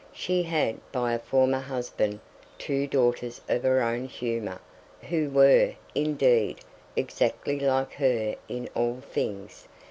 She had, by a former husband, two daughters of her own humor, who were, indeed, exactly like her in all things.